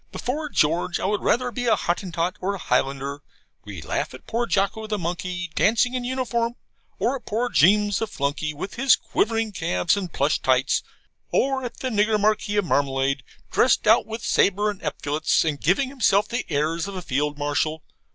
Before George, I would rather be a Hottentot or a Highlander. We laugh at poor Jocko, the monkey, dancing in uniform; or at poor Jeames, the flunkey, with his quivering calves and plush tights; or at the nigger Marquis of Marmalade, dressed out with sabre and epaulets, and giving himself the airs of a field marshal.